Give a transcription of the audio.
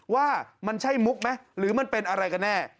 ว่ามันใช่มุกไหมหรือมันเป็นอะไรกันแน่